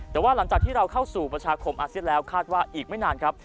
แต่ว่าหลังจากที่เราเข้าสู่ประชาคมอาเซียนแล้วคาดว่าอีกไม่นานครับ